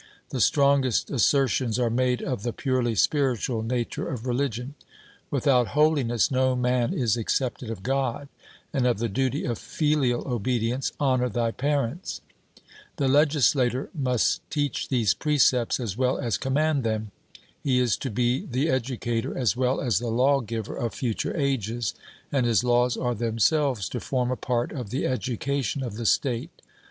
The strongest assertions are made of the purely spiritual nature of religion 'Without holiness no man is accepted of God'; and of the duty of filial obedience, 'Honour thy parents.' The legislator must teach these precepts as well as command them. He is to be the educator as well as the lawgiver of future ages, and his laws are themselves to form a part of the education of the state.